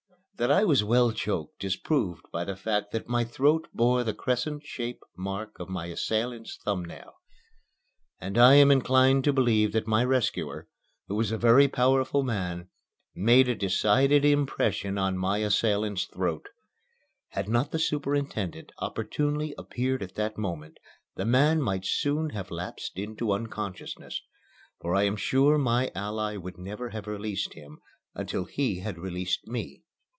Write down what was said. That I was well choked is proved by the fact that my throat bore the crescent shaped mark of my assailant's thumb nail. And I am inclined to believe that my rescuer, who was a very powerful man, made a decided impression on my assailant's throat. Had not the superintendent opportunely appeared at that moment, the man might soon have lapsed into unconsciousness, for I am sure my ally would never have released him until he had released me.